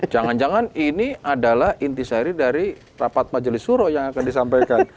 jangan jangan ini adalah intisari dari rapat majelis suro yang akan disampaikan